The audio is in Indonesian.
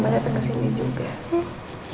mama dateng kesini juga